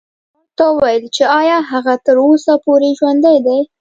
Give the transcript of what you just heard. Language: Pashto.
ما ورته وویل چې ایا هغه تر اوسه پورې ژوندی دی.